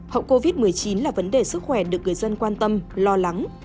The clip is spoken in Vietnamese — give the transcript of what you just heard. hậu covid một mươi chín là vấn đề sức khỏe được người dân quan tâm lo lắng